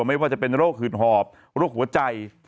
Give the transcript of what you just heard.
ไม่ว่าจะเป็นโรคหืดหอบโรคหัวใจ